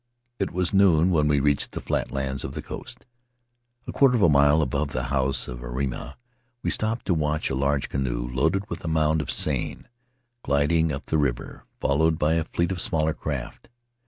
It was noon when we reached the flatlands of the coast. A quarter of a mile above the house of Airima we stopped to watch a large canoe, loaded with a mound of seine, gliding up the river, followed by a fleet of smaller craft.